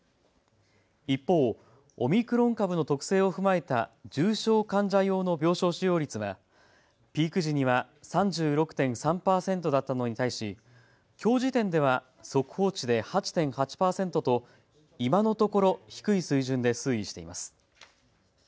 一方、オミクロン株の特性を踏まえた重症患者用の病床使用率はピーク時には３６．３％だったのに対しきょう時点では速報値で８．８％と今のところ低い水準で推移しています。